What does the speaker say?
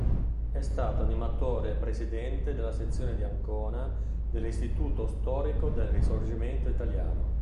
È stato animatore e presidente della sezione di Ancona dell'Istituto storico del risorgimento italiano.